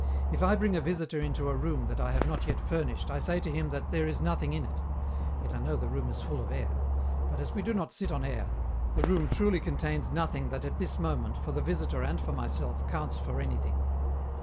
If I bring a visitor into a room that I have not yet furnished, I say to him that "there is nothing in it." Yet I know the room is full of air; but, as we do not sit on air, the room truly contains nothing that at this moment, for the visitor and for myself, counts for anything.